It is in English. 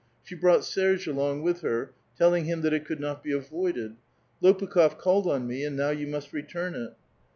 She brought Serge along with her, telling him that it could not be avoided :" I^])ukh6f called on me, and now you must return it."